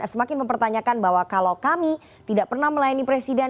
semakin mempertanyakan bahwa kalau kami tidak pernah melayani presiden